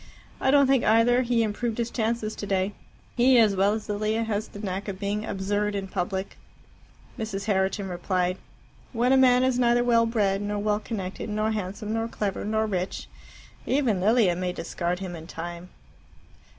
I don't think, either, he improved his chances today. He, as well as Lilia, has the knack of being absurd in public." Mrs. Herriton replied, "When a man is neither well bred, nor well connected, nor handsome, nor clever, nor rich, even Lilia may discard him in time."